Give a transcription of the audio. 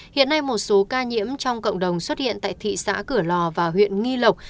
hiện nay một số ca nhiễm trong cộng đồng xuất hiện tại thị xã cửa lò và huyện nghi lộc